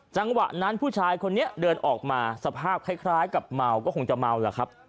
จังหวะนั้นผู้ชายคนนี้เดินออกมาสภาพคล้ายกับเมาก็คงจะเมาแหละครับ